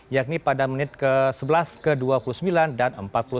yakni pada menit ke sebelas ke dua puluh sembilan dan empat puluh tiga